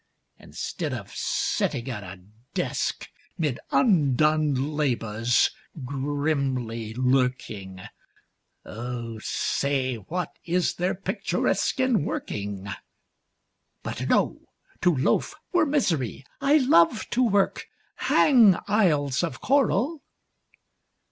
Instead of sitting at a desk 'Mid undone labours, grimly lurking Oh, say, what is there picturesque In working? But no! to loaf were misery! I love to work! Hang isles of coral!